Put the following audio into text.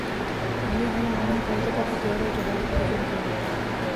علي علم و نه کړ ځکه په تیارو او جهالت کې ژوند کوي.